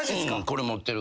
これ持ってる。